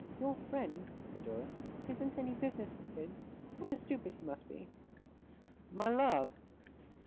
'Your friend,' said Dora. 'It isn't any business of his. What a stupid he must be!' 'My love!